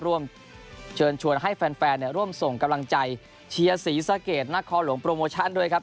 ร่วมเชิญชวนให้แฟนร่วมส่งกำลังใจเชียร์ศรีสะเกดนักคอหลวงโปรโมชั่นด้วยครับ